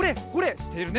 しているね。